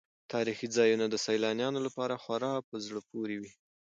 تاریخي ځایونه د سیلانیانو لپاره خورا په زړه پورې وي.